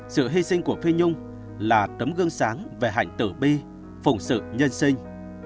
sự hy sinh của phi nhung là tấm gương sáng về hạnh tử bi phùng sự nhân sinh